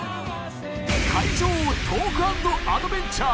海上トーク＆アドベンチャー。